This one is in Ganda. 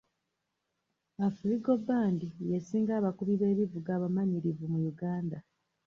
Afrigo band y'esinga abakubi b'ebivuga abamanyirivu mu Uganda.